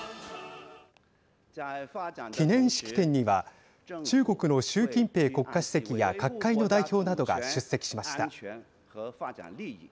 記念式典には中国の習近平国家主席や各界の代表などが出席しました。